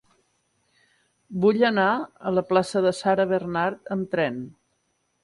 Vull anar a la plaça de Sarah Bernhardt amb tren.